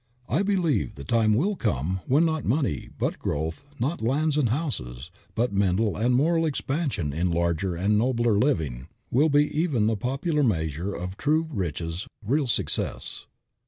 I believe the time will come when not money, but growth, not lands and houses, but mental and moral expansion in larger and nobler living, will be even the popular measure of true riches, real success.